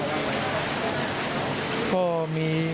ไม่เคยเจอโปรดเครื่อง